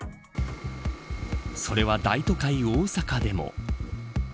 それは、大都会大阪でも。